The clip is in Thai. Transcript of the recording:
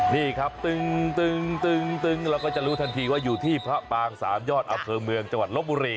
เราก็จะรู้ทันทีว่าอยู่ที่พระปางสามยอดอเภอเมืองจังหวัดรบบุรี